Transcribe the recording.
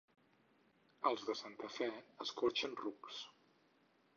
Els de Santa Fe escorxen rucs.